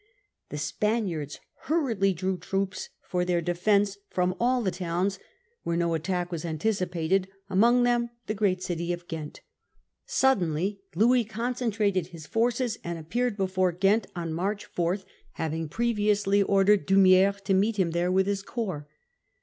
The Spaniards hurriedly drew troops for their defence from all the towns where no attack was an ticipated, among them the great city of Ghent. Suddenly Capture of Louis concentrated his forces, and appeared Ghent and before Ghent on March 4, having previously Louis, by ordered D'Humi£res to meet him there with March 1678. CO rps.